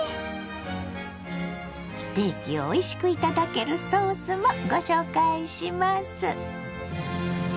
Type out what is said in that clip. ステーキをおいしく頂けるソースもご紹介します。